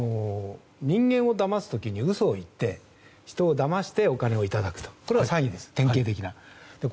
人間をだます時に嘘を言って人をだましてお金をいただくこれが典型的な詐欺です。